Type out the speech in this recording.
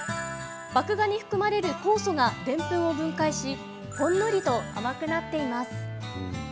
麦芽に含まれる酵素がでんぷんを分解しほんのりと甘くなっています。